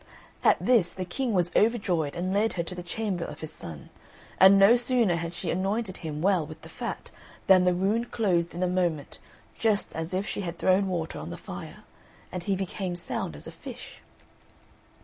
At this the King was overjoyed and led her to the chamber of his son, and no sooner had she anointed him well with the fat than the wound closed in a moment just as if she had thrown water on the fire, and he became sound as a fish.